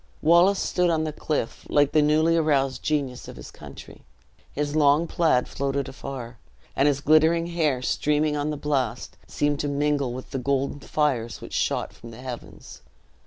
Wallace stood on the cliff, like the newly aroused genius of his country; his long plaid floated afar, and his glittering hair streaming on the blast, seemed to mingle with the golden fires which shot from the heavens.